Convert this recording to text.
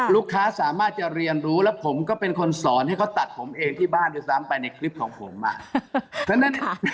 ลูกค้าสามารถจะเรียนรู้แล้วผมก็เป็นคนสอนให้เขาตัดผมเองที่บ้านด้วยซ้ำไปในคลิปของผมอ่ะ